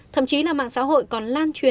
thậm chí là mạng xã hội còn lan truyền